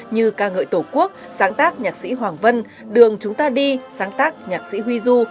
như ca ngợi tổ quốc sáng tác nhạc sĩ hoàng vân đường chúng ta đi sáng tác nhạc sĩ huy du